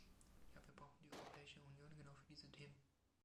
Ja, wir brauchen die Europäische Union genau für diese Themen!